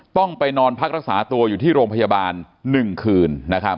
ต้องไปนอนพักรักษาตัวอยู่ที่โรงพยาบาล๑คืน